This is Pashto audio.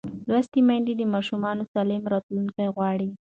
لوستې میندې د ماشوم سالم راتلونکی غواړي.